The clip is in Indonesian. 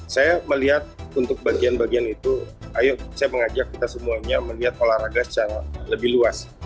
saya melihat untuk bagian bagian itu ayo saya mengajak kita semuanya melihat olahraga secara lebih luas